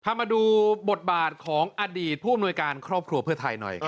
มาดูบทบาทของอดีตผู้อำนวยการครอบครัวเพื่อไทยหน่อย